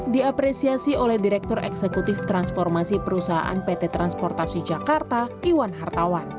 diapresiasi oleh direktur eksekutif transformasi perusahaan pt transportasi jakarta iwan hartawan